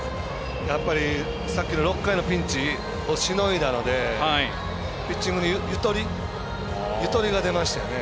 やっぱり、さっきの６回のピンチをしのいだのでピッチングにゆとりが出ましたよね。